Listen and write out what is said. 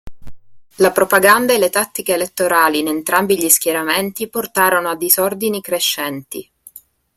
La propaganda e le tattiche elettorali in entrambi gli schieramenti portarono a disordini crescenti.